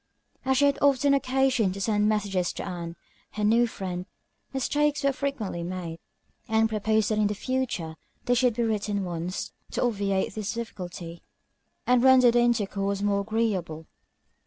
As she had often occasion to send messages to Ann, her new friend, mistakes were frequently made; Ann proposed that in future they should be written ones, to obviate this difficulty, and render their intercourse more agreeable.